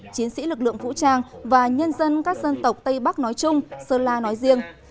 chiến sĩ lực lượng vũ trang và nhân dân các dân tộc tây bắc nói chung sơn la nói riêng